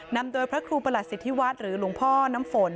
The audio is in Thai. นำโดยพระครูประหลัสสิทธิวัฒน์หรือหลวงพ่อน้ำฝน